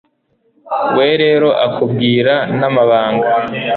we rero akubwira n'amabanga